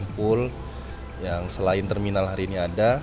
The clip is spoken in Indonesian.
yang pool yang selain terminal hari ini ada